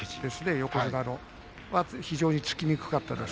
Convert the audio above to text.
横綱のね非常に突きにくかったです。